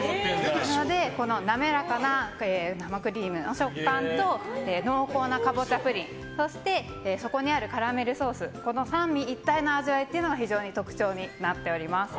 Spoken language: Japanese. なので、なめらかな生クリームの食感と濃厚なかぼちゃプリン底にあるカラメルソース三位一体の味わいが非常に特徴になっています。